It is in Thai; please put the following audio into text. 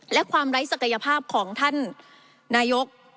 และความไร้ศักยภาพของท่านนายก